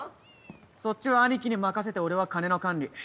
そっちは兄貴に任せて俺は金の管理。